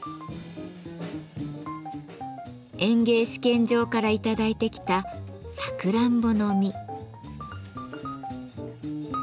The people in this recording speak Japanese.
園芸試験場から頂いてきたサクランボの実。